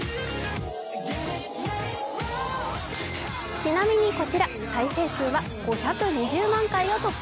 ちなみにこちら再生数は５２０万回を突破。